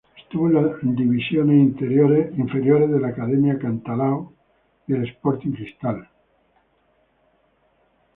Estuvo en las divisiones inferiores de la Academia Cantolao y el Sporting Cristal.